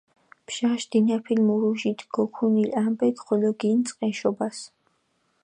ბჟაშ დინაფილ მურუჟით გოქუნილ ამბექ ხოლო გინწყჷ ეშობას.